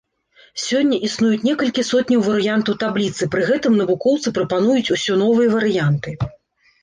Сёння існуюць некалькі сотняў варыянтаў табліцы, пры гэтым навукоўцы прапануюць усё новыя варыянты.